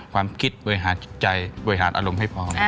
ความคิดเบื่อหารใจเบื่อหารอารมณ์ให้พอ